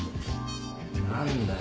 何だよ。